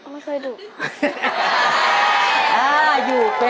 ไม่เคยดุ